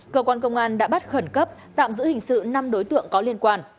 cơ quan công an đã bắt khẩn cấp tạm giữ hình sự năm đối tượng có liên quan